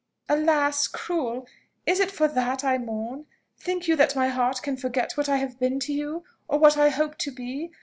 "Alas! Cruel! Is it for that I mourn? Think you that my heart can forget what I have been to you, or what I hoped to be?